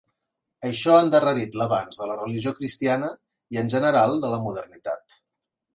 Això ha endarrerit l'avanç de la religió cristiana i en general, de la modernitat.